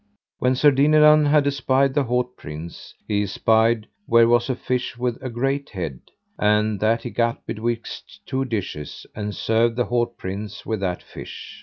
When Sir Dinadan had espied the haut prince, he espied where was a fish with a great head, and that he gat betwixt two dishes, and served the haut prince with that fish.